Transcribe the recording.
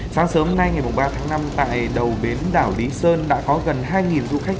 sáng sớm nay ngày ba tháng năm tại đầu bến đảo lý sơn đã có gần hai du khách